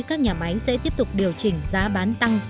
các nhà máy sẽ tiếp tục điều chỉnh giá bán tăng